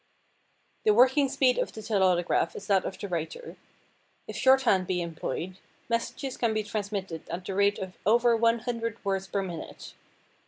The working speed of the telautograph is that of the writer. If shorthand be employed, messages can be transmitted at the rate of over 100 words per minute.